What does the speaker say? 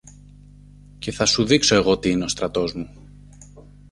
και θα σου δείξω εγώ τι είναι ο στρατός μου.